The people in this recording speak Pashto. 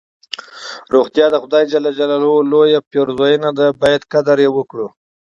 روغتیا د خدای ج لویه لورینه ده چې باید قدر یې وکړو.